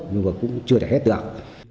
nhưng mà cũng chưa thể hết được